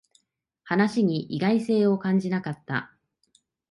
話に意外性を感じなかった